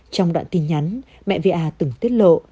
trong đoạn tin nhắn mẹ va từng tiết lộ